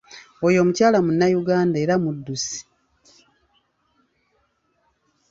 Oyo omukyala Munnayuganda era muddusi.